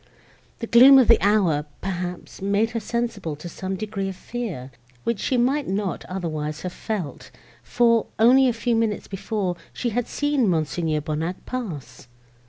The gloom of the hour, perhaps, made her sensible to some degree of fear, which she might not otherwise have felt; for, only a few minutes before, she had seen Mons. Bonnac pass.